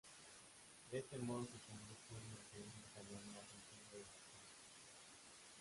De este modo se convirtió en el segundo canal más antiguo de Japón.